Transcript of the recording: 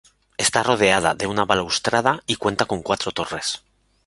Está rodeada de una balaustrada, y cuenta con cuatro torres.